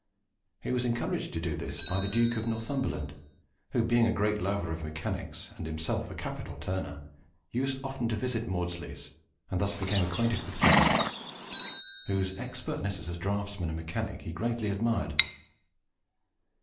He was encouraged to do this by the Duke of Northumberland, who, being a great lover of mechanics and himself a capital turner, used often to visit Maudslay's, and thus became acquainted with Clement, whose expertness as a draughtsman and mechanic he greatly admired.